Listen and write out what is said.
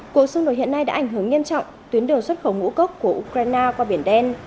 cuộc xung đột hiện nay đã ảnh hưởng nghiêm trọng tuyến đường xuất khẩu ngũ cốc của ukraine qua biển đen